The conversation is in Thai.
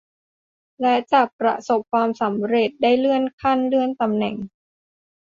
และจะประสบความสำเร็จได้เลื่อนขั้นเลื่อนตำแหน่ง